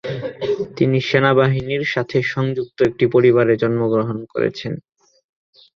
তিনি সেনাবাহিনীর সাথে সংযুক্ত একটি পরিবারে জন্মগ্রহণ করেছেন।